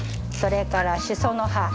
それからしその葉。